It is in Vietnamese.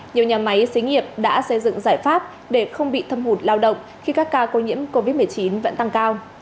nhiều nhà máy xí nghiệp đã xây dựng giải pháp để không bị thâm hụt lao động khi các ca nhiễm covid một mươi chín vẫn tăng cao